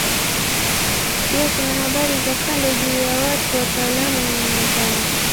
Pia kuna habari za kando juu ya watu, watawala na mila zao.